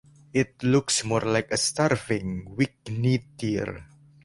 It looks more like a starving, weak-kneed deer.